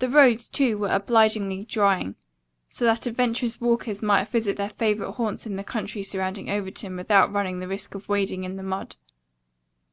The roads, too, were obligingly drying, so that adventurous walkers might visit their favorite haunts in the country surrounding Overton without running the risk of wading in the mud.